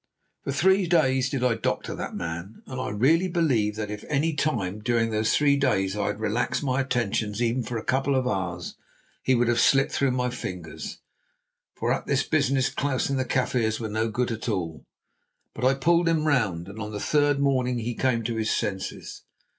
For three days did I doctor that man, and really I believe that if at any time during those days I had relaxed my attentions even for a couple of hours, he would have slipped through my fingers, for at this business Klaus and the Kaffirs were no good at all. But I pulled him round, and on the third morning he came to his senses.